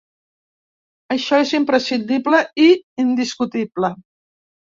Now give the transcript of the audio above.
Això és imprescindible i indiscutible.